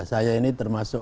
saya ini termasuk